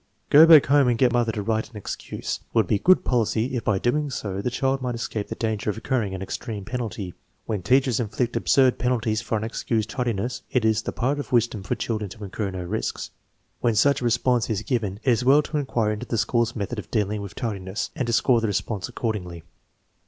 "Go back home and get mother to write an excuse" would be good policy if by so doing the child might escape the danger of incurring an extreme penalty. When teachers inflict absurd pen alties for unexcused tardiness, it is the part of wisdom for children to incur no risks! When such a response is given, it is well to in quire into the school's method of dealing with tardiness and to score the response accordingly.